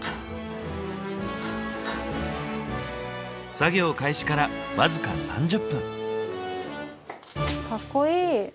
作業開始から僅か３０分。